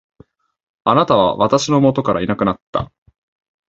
貴方は私の元からいなくなった。